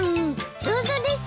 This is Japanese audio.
どうぞです。